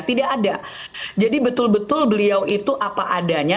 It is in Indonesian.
tidak ada jadi betul betul beliau itu apa adanya